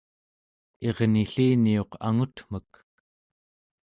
irnilliniuq angutmek